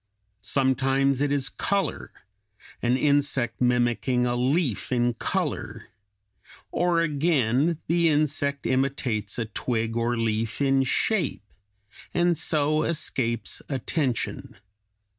Sometimes it is color, an insect mimicking a leaf in color; or again, the insect imitates a twig or leaf in shape, and so escapes attention.